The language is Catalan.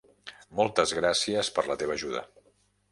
Moltes gràcies per la teva ajuda.